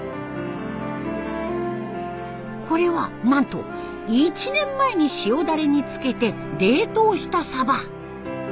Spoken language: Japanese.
これはなんと１年前に塩だれに漬けて冷凍したサバ。